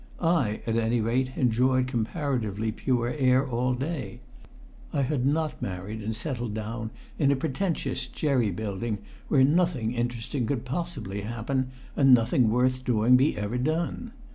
I at any rate enjoyed comparatively pure air all day. I had not married and settled down in a pretentious jerry building where nothing interesting could possibly happen, and nothing worth doing be ever done.